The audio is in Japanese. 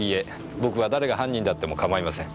僕は誰が犯人であってもかまいません。